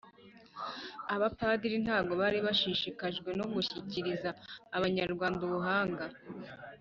abapadiri ntago bari bashishikajwe no gushyikiriza abanyarwanda ubuhanga